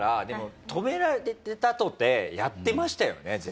でも止められたとてやってましたよね？